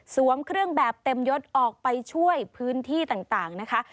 เครื่องแบบเต็มยศออกไปช่วยพื้นที่ต่างนะคะ